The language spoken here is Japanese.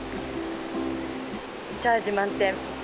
チャージ満点。